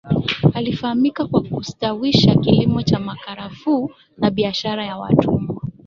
Alifahamika kwa kustawisha kilimo cha makarafuu na biashara ya watumwa